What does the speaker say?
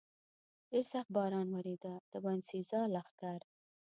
ډېر سخت باران ورېده، د باینسېزا لښکر.